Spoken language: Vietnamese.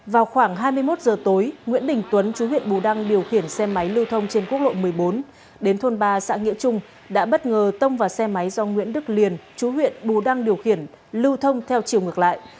vào khoảng hai mươi một giờ tối nguyễn đình tuấn chú huyện bù đăng điều khiển xe máy lưu thông trên quốc lộ một mươi bốn đến thôn ba xã nghĩa trung đã bất ngờ tông vào xe máy do nguyễn đức liền chú huyện bù đăng điều khiển lưu thông theo chiều ngược lại